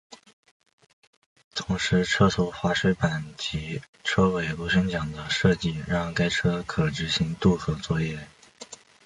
同时车头滑水板及车尾螺旋桨的设计让该车可执行渡河作业。